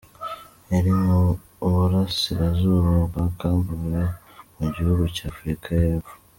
Iri mu burasirazuba bwa Cap vert mu gihugu cya Afurika y’ Epfo.